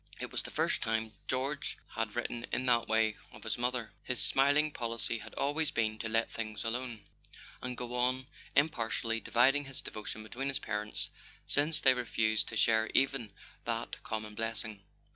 It was the first time George had written in that way of his mother. His smiling policy had always been to let things alone, and go on impartially dividing his devotion between his parents, since they refused to share even that common blessing.